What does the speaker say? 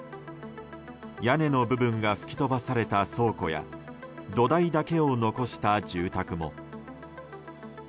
屋根の部分が吹き飛ばされた倉庫や土台だけを残した住宅も。